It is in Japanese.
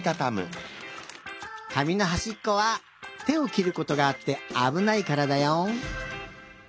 かみのはしっこは手をきることがあってあぶないからだよ。